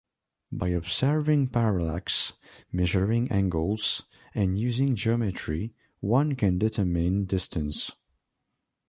By observing parallax, measuring angles, and using geometry, one can determine distance.